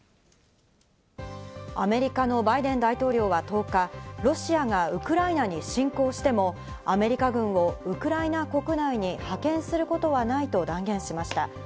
アメリカのバイデン大統領は１０日、ロシアがウクライナに侵攻してもアメリカ軍をウクライナ国内に派遣することはないと断言しました。